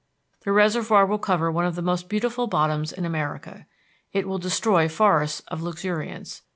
The reservoir will cover one of the most beautiful bottoms in America. It will destroy forests of luxuriance.